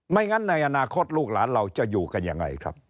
งั้นในอนาคตลูกหลานเราจะอยู่กันยังไงครับ